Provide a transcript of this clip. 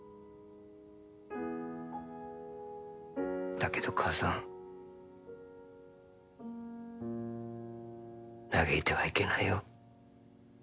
だけど母さん嘆いてはいけないよ。